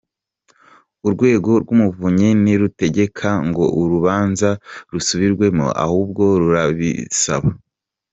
Urwego rw’Umuvunyi ntirutegeka ngo urubanza rusubirwemo ahubwo rurabisaba.